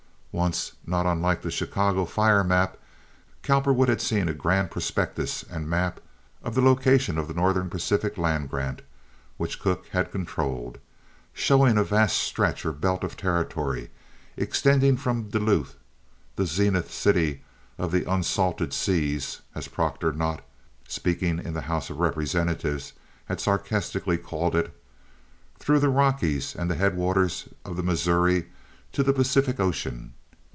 Once, not unlike the Chicago fire map, Cowperwood had seen a grand prospectus and map of the location of the Northern Pacific land grant which Cooke had controlled, showing a vast stretch or belt of territory extending from Duluth—"The Zenith City of the Unsalted Seas," as Proctor Knott, speaking in the House of Representatives, had sarcastically called it—through the Rockies and the headwaters of the Missouri to the Pacific Ocean.